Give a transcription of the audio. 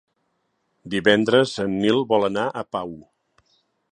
Divendres en Nil vol anar a Pau.